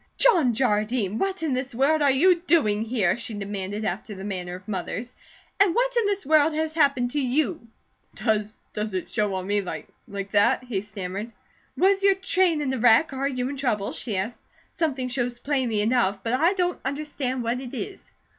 "John Jardine, what in the world are you doing here?" she demanded after the manner of mothers, "and what in this world has happened to you?" "Does it show on me like that?" he stammered. "Was your train in a wreck? Are you in trouble?" she asked. "Something shows plainly enough, but I don't understand what it is."